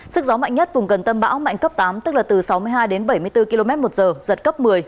sức gió mạnh nhất vùng gần tâm bão mạnh cấp tám tức là từ sáu mươi hai đến bảy mươi bốn km một giờ giật cấp một mươi